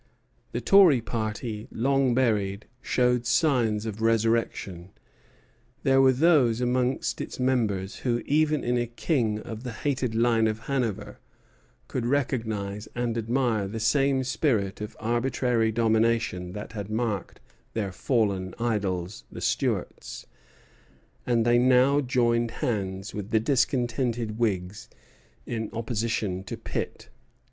The Tory party, long buried, showed signs of resurrection. There were those among its members who, even in a king of the hated line of Hanover, could recognize and admire the same spirit of arbitrary domination that had marked their fallen idols, the Stuarts; and they now joined hands with the discontented Whigs in opposition to Pitt.